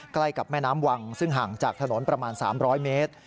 ใกล้กับแม่น้ำวังซึ่งห่างจากถนนประมาณ๓๐๐เมตร